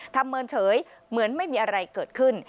เมินเฉยเหมือนไม่มีอะไรเกิดขึ้น